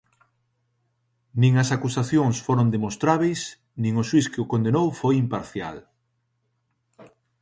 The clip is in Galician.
Nin as acusacións foron demostrábeis nin o xuíz que o condenou foi imparcial.